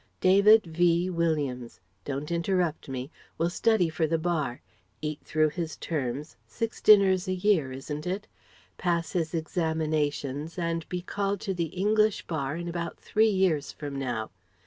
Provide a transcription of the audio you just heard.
David V. Williams don't interrupt me will study for the Bar, eat through his terms six dinners a year, isn't it? pass his examinations, and be called to the English Bar in about three years from now.